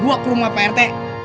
gue ke rumah pak rt